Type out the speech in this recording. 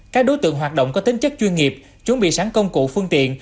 các đối tượng hoạt động có tính chất chuyên nghiệp chuẩn bị sáng công cụ phương tiện